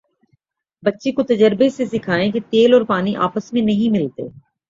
بچے کو تجربے سے سکھائیں کہ تیل اور پانی آپس میں نہیں ملتے